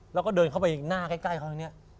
แล้วก็เดินเข้าไปหน้าใกล้เขาตรงนี้